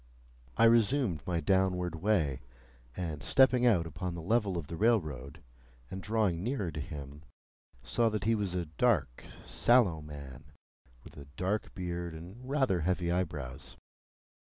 I resumed my downward way, and stepping out upon the level of the railroad, and drawing nearer to him, saw that he was a dark, sallow man, with a dark beard and rather heavy eyebrows.